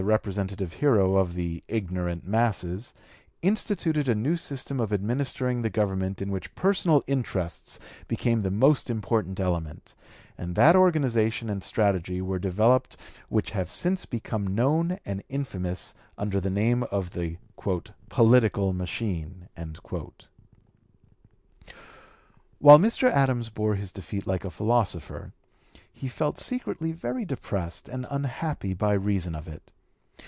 214) representative hero of the ignorant masses, instituted a new system of administering the Government in which personal interests became the most important element, and that organization and strategy were developed which have since become known and infamous under the name of the "political machine." While Mr. Adams bore his defeat like a philosopher, he felt secretly very depressed and unhappy by reason of it.